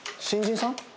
新人さん？